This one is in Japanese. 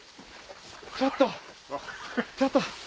ちょっとちょっと。